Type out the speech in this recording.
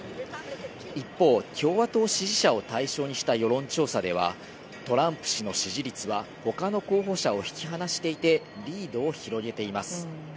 一方、共和党支持者を対象にした世論調査ではトランプ氏の支持率は他の候補者を引き離していてリードを広げています。